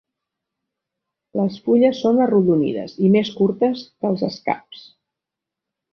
Les fulles són arrodonides i més curtes que els escaps.